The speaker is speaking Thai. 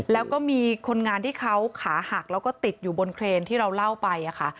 แล้วก็มีคนงานที่เขาขาหักแล้วก็ติดอยู่บนเครนที่เราเล่าไปค่ะ